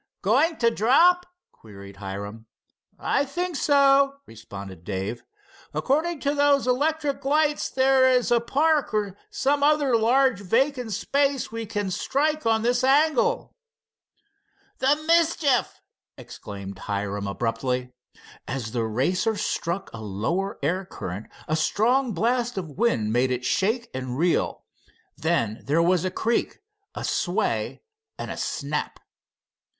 "Going to drop?" queried Hiram. "I think so," responded Dave. "According to those electric lights there is a park or some other large vacant space we can strike on this angle." "The mischief!" exclaimed Hiram abruptly as the Racer struck a lower air current a strong blast of wind made it shake and reel. Then there was a creak, a sway and a snap.